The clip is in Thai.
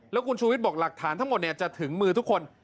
แล้วคุณชูวิทย์บอกหลักฐานทั้งหมดจะถึงมือทุกคน